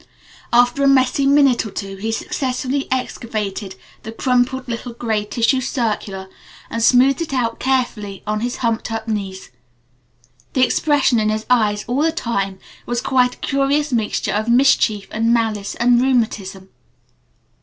After a messy minute or two he successfully excavated the crumpled little gray tissue circular and smoothed it out carefully on his humped up knees. The expression in his eyes all the time was quite a curious mixture of mischief and malice and rheumatism.